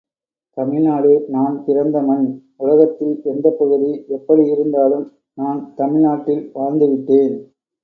தமிழ்நாடு நான் பிறந்த மண் உலகத்தில் எந்தப்பகுதி எப்படி இருந்தாலும் நான் தமிழ்க் நாட்டில் வாழ்ந்துவிட்டேன்.